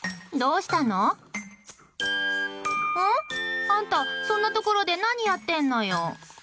うん？あんたこんなところで何やってるのよ。